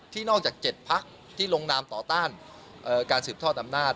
ที่นอกจาก๗ภาคที่ลงนามต่อต้านการสืบทอดธรรมนาฏ